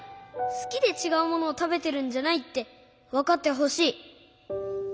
すきでちがうものをたべてるんじゃないってわかってほしい。